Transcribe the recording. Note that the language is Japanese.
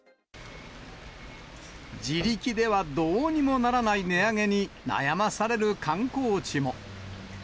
自力ではどうにもならない値上げに悩まされる観光地も。